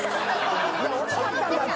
惜しかったんだって！